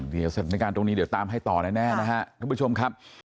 เดี๋ยวสถานการณ์ตรงนี้เดี๋ยวตามให้ต่อแน่นะครับทุกผู้ชมครับ